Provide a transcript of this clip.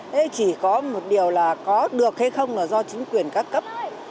thế chỉ có một điều là có được hay không là do chính quyền các cấp